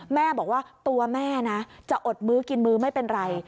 แม่บอกว่าตัวแม่นะจะอดมื้อกินมื้อไม่เป็นไร